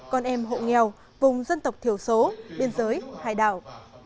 con em hộ nghèo vùng dân tộc thiểu số biên giới hải đảo